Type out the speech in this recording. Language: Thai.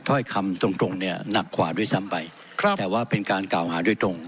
ถ้อยคำตรงตรงเนี่ยหนักกว่าด้วยซ้ำไปครับแต่ว่าเป็นการกล่าวหาโดยตรง